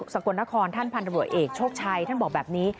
สกลนครท่านพันธบรวจเอกโชคชัยท่านบอกแบบนี้